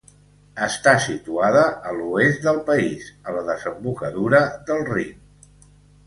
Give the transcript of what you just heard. Està situada a l'oest del país, a la desembocadura del Rin.